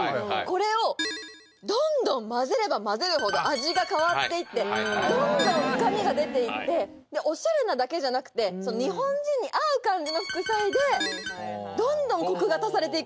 これをどんどん混ぜれば混ぜるほど味が変わっていってどんどん深みがでていってでオシャレなだけじゃなくて日本人に合う感じの副菜でどんどんコクが足されていくんですよ